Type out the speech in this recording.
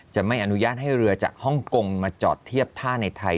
จะไม่อนุญาตให้เรือจากฮ่องกงมาจอดเทียบท่าในไทย